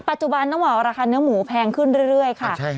ปัจจุบันต้องบอกว่าราคาเนื้อหมูแพงขึ้นเรื่อยค่ะ